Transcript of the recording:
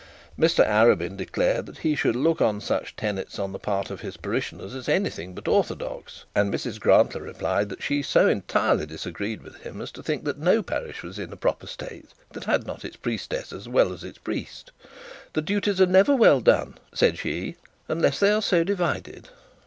Mr Arabin declared that he should look on such tenets on the part of the parishioners as anything but orthodox. And Mrs Grantly replied that she so entirely disagreed with him as to think that no parish was in a proper estate that had not its priestess as well as its priest. 'The duties are never well done,' said she, 'unless they are so divided.'